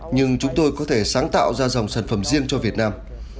nhưng chúng tôi có thể sáng tạo ra dòng sản phẩm riêng cho việt nam